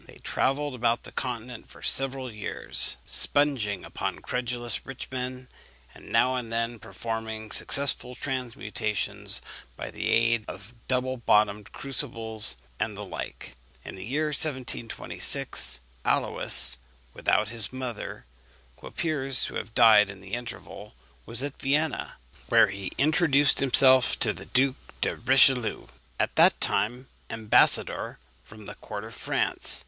They travelled about the Continent for several years, sponging upon credulous rich men, and now and then performing successful transmutations by the aid of double bottomed crucibles and the like. In the year 1726, Aluys, without his mother, who appears to have died in the interval, was at Vienna, where he introduced himself to the Duke de Richelieu, at that time ambassador from the court of France.